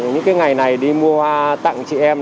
những cái ngày này đi mua hoa tặng chị em